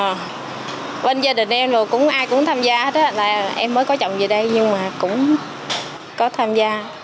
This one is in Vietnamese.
ờ bên gia đình em rồi ai cũng tham gia hết là em mới có chồng về đây nhưng mà cũng có tham gia